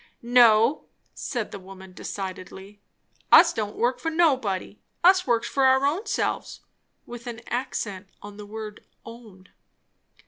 "No," said the woman decidedly. "Us don't work for nobody. Us works for our ownselves;" with an accent on the word "own."